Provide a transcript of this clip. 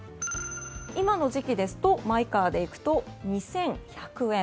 今の時期ですとマイカーで行くと２１００円。